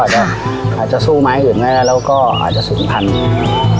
อาจจะสู้ไม้อื่นได้และอาจจะสูงพันครับ